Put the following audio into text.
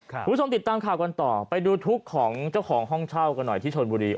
คุณผู้ชมติดตามข่าวกันต่อไปดูทุกข์ของเจ้าของห้องเช่ากันหน่อยที่ชนบุรี